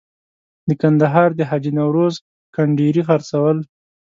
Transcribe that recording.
د کندهار د حاجي نوروز کنډیري خرڅول.